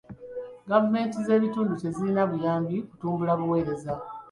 Gavumenti z'ebitundu tezirina buyambi kutumbula buweereza.